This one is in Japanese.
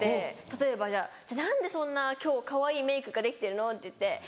例えばじゃあ「何でそんな今日かわいいメークができてるの？」。